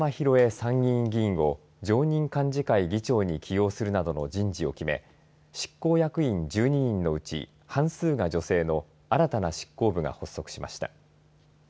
参議院議員を常任幹事会議長に起用するなどの人事を決め執行役員１２人のうち半数が女性の新たな執行部が発足しました。